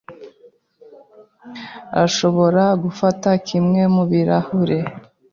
Urashobora gufata kimwe mubirahure.